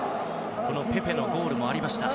ペペのゴールもありました。